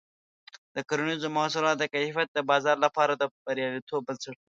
د کرنیزو محصولاتو کیفیت د بازار لپاره د بریالیتوب بنسټ دی.